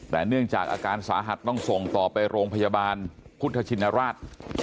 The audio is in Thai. แต่เนื่องจากอาการสาหัสต้องส่งต่อไปโรงพยาบาลพุทธชินราช